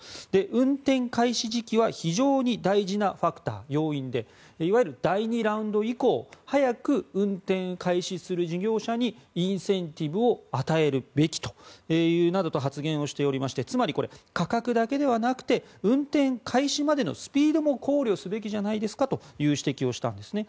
運転開始時期は非常に大事なファクター、要因でいわゆる第２ラウンド以降早く運転開始する事業者にインセンティブを与えるべきなどと発言しておりましてつまり、価格だけではなくて運転開始までのスピードも考慮すべきじゃないですかという指摘をしたんですね。